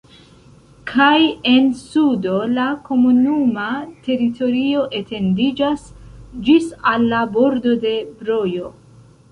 Kaj en sudo la komunuma teritorio etendiĝas ĝis al la bordo de Brojo.